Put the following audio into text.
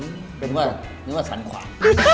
นึกว่านึกว่าสันความ